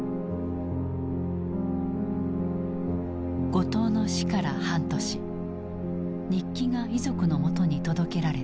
後藤の死から半年日記が遺族のもとに届けられた。